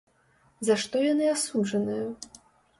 За што яны асуджаныя?